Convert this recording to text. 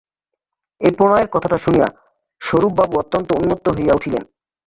এই প্রণয়ের কথাটা শুনিয়া স্বরূপবাবু অত্যন্ত উন্মত্ত হইয়া উঠিলেন।